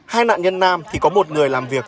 hai nạn nhân nam thì có một người làm việc